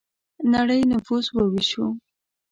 نړۍ نفوس وویشو.